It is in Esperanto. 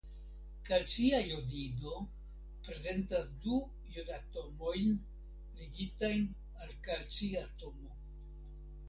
Kalcia jodido prezentas du jodatomojn ligitajn al kalciatomo.